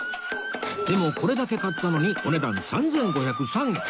でもこれだけ買ったのにお値段３５０３円！